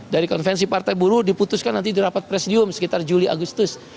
dari konvensi partai buruh diputuskan nanti di rapat presidium sekitar juli agustus